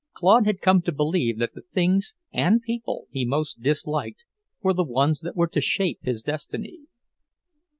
Claude had come to believe that the things and people he most disliked were the ones that were to shape his destiny.